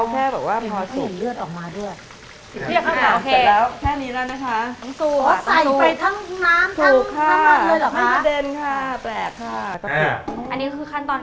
เพราะเราเอาแค่แบบว่าพอสุก